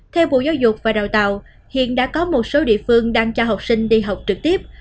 theo bộ giáo dục và đào tạo hiện đã có một số địa phương đang cho học sinh đi học trực tiếp